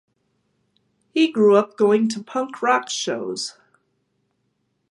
He grew up going to punk rock shows.